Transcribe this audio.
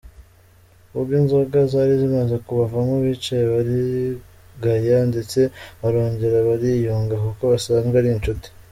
Ubwo inzoga zari zimaze kubavamo bicaye barigaya ndetse barongera bariyunga kuko basanzwe ari inshuti.